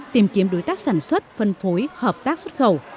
tìm kiếm đối tác sản xuất phân phối hợp hợp tác xuất khẩu